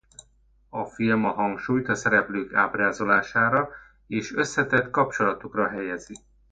A film a hangsúlyt a szereplők ábrázolására és összetett kapcsolatukra helyezi.